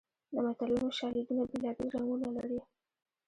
د متلونو شالیدونه بېلابېل رنګونه لري